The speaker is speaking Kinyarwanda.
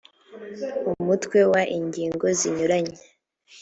umutwe wa iii ingingo zinyuranye